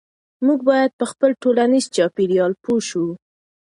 موږ باید په خپل ټولنیز چاپیریال پوه شو.